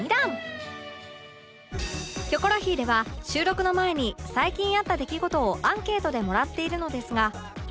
今夜は『キョコロヒー』では収録の前に最近あった出来事をアンケートでもらっているのですが